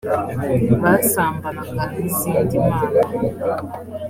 basambanaga n izindi mana